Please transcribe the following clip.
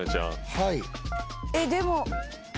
はい。